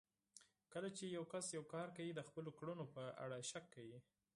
کله چې يو کس يو کار کوي د خپلو کړنو په اړه شک کوي.